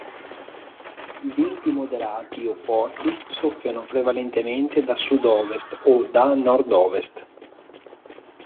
I venti, moderati o forti, soffiano prevalentemente da sud-ovest o da nord-ovest.